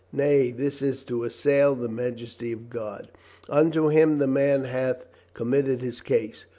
Nay, this is to assail the majesty of God. Unto Him the man hath committed his case.